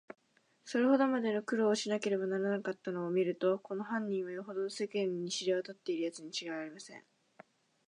それほどまでの苦労をしなければならなかったのをみると、この犯人は、よほど世間に知れわたっているやつにちがいありません。